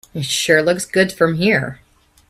It sure looks good from here.